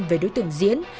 về đối tượng diễn